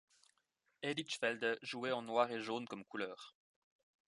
Edixvelde jouait en noir et jaune comme couleurs.